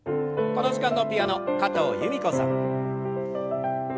この時間のピアノ加藤由美子さん。